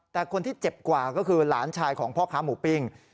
แต่คนที่เจ็บกว่าก็คือหลานชายของพ่อค้าหมูปิ้ง